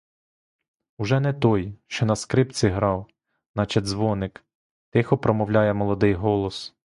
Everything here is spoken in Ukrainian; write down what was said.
Уже не той, що на скрипці грав, — наче дзвоник, тихо промовляє молодий голос.